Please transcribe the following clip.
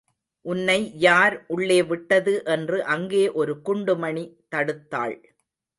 உன்னை யார் உள்ளே விட்டது என்று அங்கே ஒரு குண்டுமணி தடுத்தாள்.